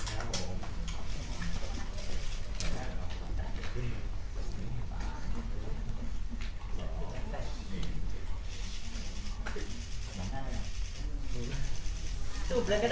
จริง